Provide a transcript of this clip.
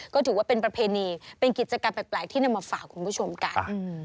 ก็ถือว่าเป็นประเพณีเป็นกิจกรรมแปลกที่นำมาฝากคุณผู้ชมกัน